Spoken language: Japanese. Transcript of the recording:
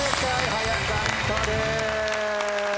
早かったです。